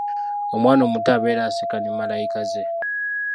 Omwana omuto abeera aseka ne malayika ze.